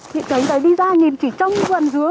thì cái đấy đi ra nhìn chỉ trông quần dứa